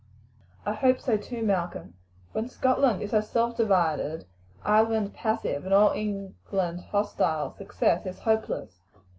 "I hope so too, Malcolm. When Scotland is herself divided, Ireland passive, and all England hostile, success is hopeless.